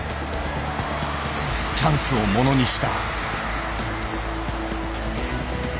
チャンスをものにした。